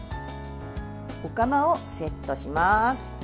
お釜をセットします。